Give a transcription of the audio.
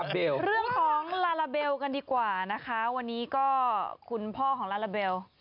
เรื่องของลาลาเบลกันดีกว่านะคะวันนี้ก็คุณพ่อของลาลาเบล